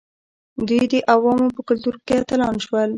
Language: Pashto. دوی د عوامو په کلتور کې اتلان شول.